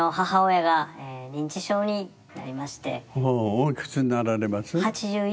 おいくつになられます？